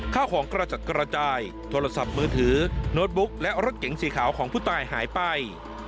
ข้าวของกระจัดกระจายโทรศัพท์มือถือโน้ตบุ๊กและรถเก๋งสีขาวของผู้ตายหายไป